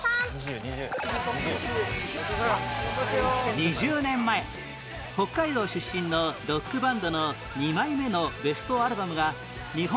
２０年前北海道出身のロックバンドの２枚目のベストアルバムが日本